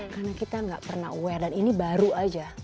karena kita enggak pernah weh dan ini baru aja